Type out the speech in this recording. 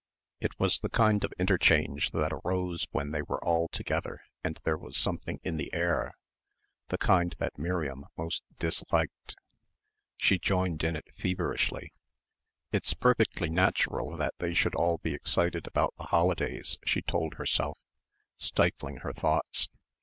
It was the kind of interchange that arose when they were all together and there was anything "in the air," the kind that Miriam most disliked. She joined in it feverishly. It's perfectly natural that they should all be excited about the holidays she told herself, stifling her thoughts.